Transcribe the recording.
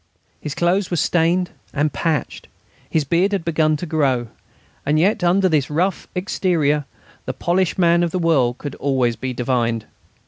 His clothes were stained and patched, his beard had begun to grow, and yet under this rough exterior the polished man of the world could always be divined.